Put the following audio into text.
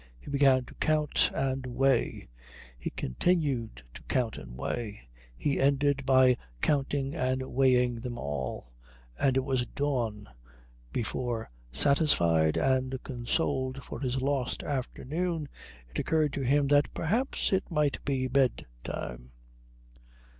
He began to count and weigh. He continued to count and weigh. He ended by counting and weighing them all; and it was dawn before, satisfied and consoled for his lost afternoon, it occurred to him that perhaps it might be bedtime.